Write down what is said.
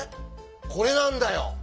これなんだよ。